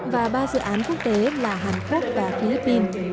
và ba dự án quốc tế là hàn quốc và philippines